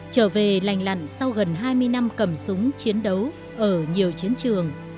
trở về lành lặn sau gần hai mươi năm cầm súng chiến đấu ở nhiều chiến trường